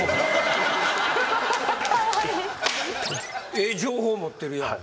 ええ情報持ってるやん。